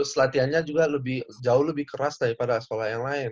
latihannya juga jauh lebih keras daripada sekolah yang lain